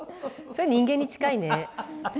それ人間に近いね。